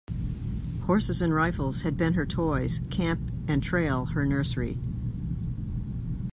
Horses and rifles had been her toys, camp and trail her nursery.